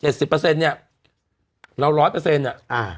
สิบเปอร์เซ็นต์เนี้ยเราร้อยเปอร์เซ็นต์อ่ะอ่า